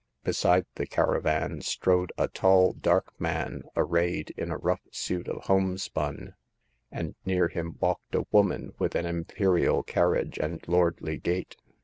Beside the caravan strode a tall dark man arrayed in a rough suit of homespun, and near him walked a woman with an imperial car riage and lordly gait.